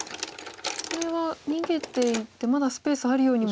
これは逃げていってまだスペースあるようにも。